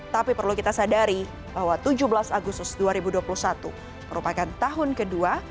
tapi perlu kita sadari bahwa tujuh belas agustus dua ribu dua puluh satu merupakan tahun kedua